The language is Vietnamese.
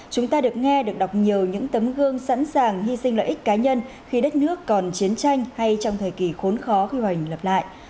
chúng ta được nghe được đọc nhiều những tấm gương sẵn sàng hy sinh lợi ích cá nhân khi đất nước còn chiến tranh hay trong thời kỳ khốn khó khi hoành lập lại